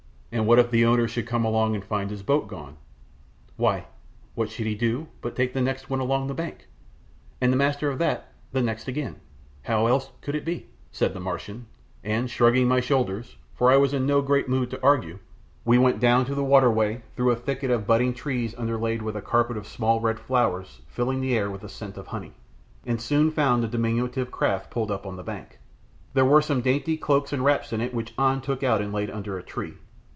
"And what if the owner should come along and find his boat gone?" "Why, what should he do but take the next along the bank, and the master of that the next again how else could it be?" said the Martian, and shrugging my shoulders, for I was in no great mood to argue, we went down to the waterway, through a thicket of budding trees underlaid with a carpet of small red flowers filling the air with a scent of honey, and soon found a diminutive craft pulled up on the bank. There were some dainty cloaks and wraps in it which An took out and laid under a tree.